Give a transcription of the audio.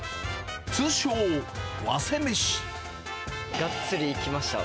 通称、がっつりいきました。